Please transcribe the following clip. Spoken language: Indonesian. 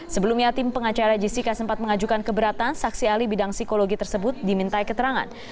sebelumnya tim pengacara jessica sempat mengajukan keberatan saksi ahli bidang psikologi tersebut dimintai keterangan